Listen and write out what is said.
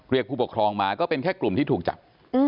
ผู้ปกครองมาก็เป็นแค่กลุ่มที่ถูกจับ